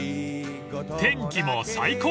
［天気も最高！